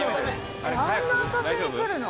「あんな浅瀬に来るの？」